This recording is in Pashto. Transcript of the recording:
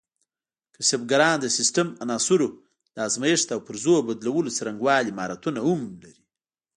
کسبګران د سیسټم عناصرو د ازمېښت او پرزو بدلولو څرنګوالي مهارتونه هم ولري.